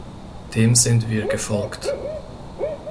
Dem sind wir gefolgt.